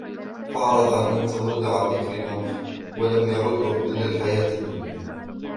فأعرض عن من تولى عن ذكرنا ولم يرد إلا الحياة الدنيا